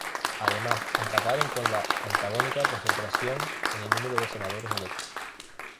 Además, empataron con la antagónica Concertación en el número de senadores electos.